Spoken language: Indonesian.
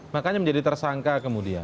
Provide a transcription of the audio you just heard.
makanya menjadi tersangka kemudian